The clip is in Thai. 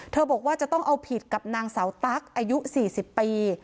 บอกว่าจะต้องเอาผิดกับนางสาวตั๊กอายุ๔๐ปี